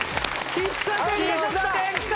喫茶店きた！